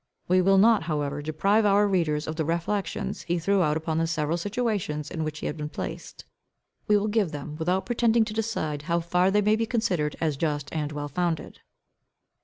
We will not however deprive our readers of the reflections he threw out upon the several situations in which he had been placed. We will give them without pretending to decide how far they may be considered as just and well founded.